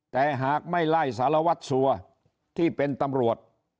แต่หากไม่ไล่สารวัตรสัวที่เป็นตำรวจ